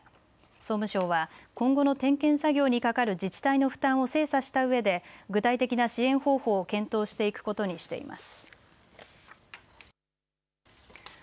総務省は今後の点検作業にかかる自治体の負担を精査したうえで具体的な支援方法を検討していくことにしています。